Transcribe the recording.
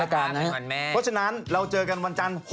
เพราะฉะนั้นเราเจอกันวันจันทร์